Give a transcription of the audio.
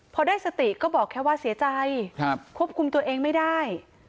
พอได้สติก็บอกแค่ว่าเสียใจควบคุมตัวเองไม่ได้